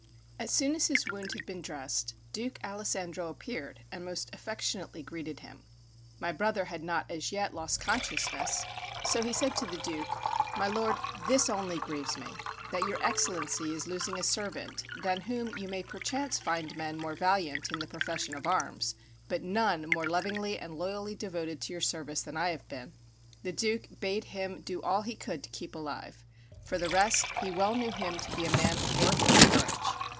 As soon as his wound had been dressed, Duke Alessandro appeared and most affectionately greeted him. My brother had not as yet lost consciousness; so he said to the Duke, "My lord, this only grieves me, that your Excellency is losing a servant than whom you may perchance find men more valiant in the profession of arms, but none more lovingly and loyally devoted to your service than I have been." The Duke bade him do all he could to keep alive; for the rest, he well knew him to be a man of worth and courage.